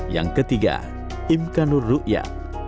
yang ketiga imkanur rukyat